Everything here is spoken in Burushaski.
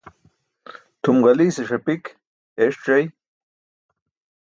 Tʰum ġaliise ṣapik eeṣc̣ay,